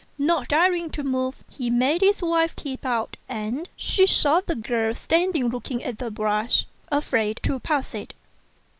Not daring to move, he made his wife peep out; and she saw the girl standing looking at the brush, afraid to pass it.